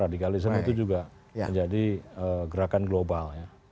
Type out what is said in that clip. radikalisme itu juga menjadi gerakan global